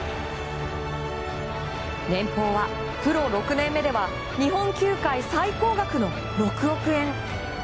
年俸はプロ６年目では日本球界最高額の６億円。